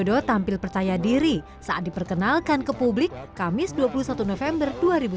jokowi dodo tampil percaya diri saat diperkenalkan ke publik kamis dua puluh satu november dua ribu sembilan belas